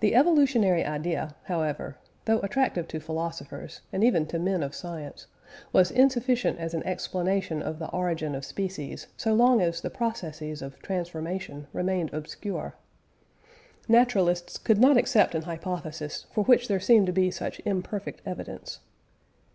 The evolutionary idea, however, though attractive to philosophers, and even to men of science, was insufficient as an explanation of the origin of species so long as the processes of transformation remained obscure. Naturalists could not accept an hypothesis for which there seemed to be such imperfect evidence.